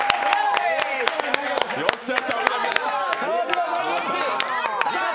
よっしゃ。